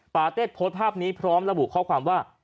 เต็ดโพสต์ภาพนี้พร้อมระบุข้อความว่า